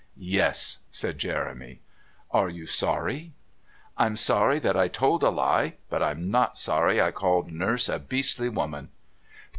"Yes," said Jeremy. "Are you sorry?" "I'm sorry that I told a lie, but I'm not sorry I called Nurse a beastly woman."